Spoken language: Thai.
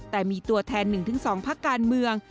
แต่มีตัวแทน๑๒พักการเมือง